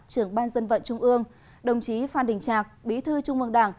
trưởng ban dân vận trung ương đồng chí phan đình trạc bí thư trung mương đảng